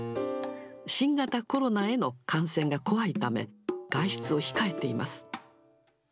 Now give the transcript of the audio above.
新型コロナへの感染が怖いため、外出を控えています。